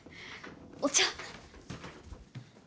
お茶